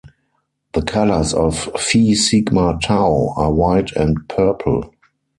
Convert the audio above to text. The colors of Phi Sigma Tau are white and purple.